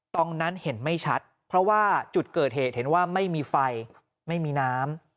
ตรงนั้นเห็นไม่ชัดเพราะว่าจุดเกิดเหตุเห็นว่าไม่มีไฟไม่มีน้ำ